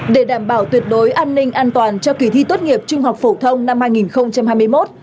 để đảm bảo tuyệt đối an ninh an toàn cho kỳ thi tốt nghiệp trung học phổ thông năm hai nghìn hai mươi một